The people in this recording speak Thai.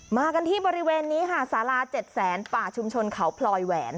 มากันที่บริเวณนี้ค่ะสารา๗แสนป่าชุมชนเขาพลอยแหวน